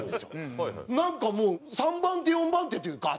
なんかもう３番手４番手というか。